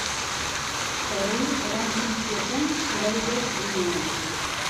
Horri erantzun zioten Wired gunean.